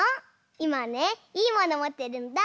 いまねいいものもってるんだ。